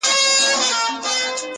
په سپورمۍ كي ستا تصوير دى،